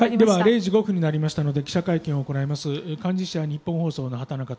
０時５分になりましたので記者会見を行います。